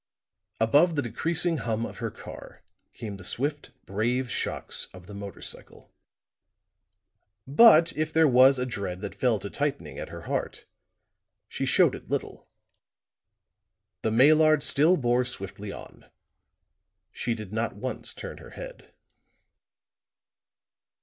Above the decreasing hum of her car, came the swift, brave shocks of the motor cycle. But, if there was a dread that fell to tightening at her heart, she showed it little. The Maillard still bore swiftly on; she did not once turn her head.